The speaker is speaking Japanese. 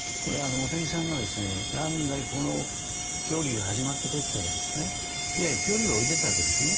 茂木さんが案外、この協議が始まった時からやや距離を置いていたわけですね。